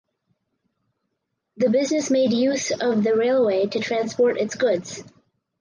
The business made use of the railway to transport its goods.